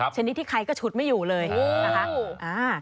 ชนิดที่ใครก็ฉุดไม่อยู่เลยนะคะ